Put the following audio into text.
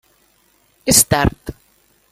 És tard.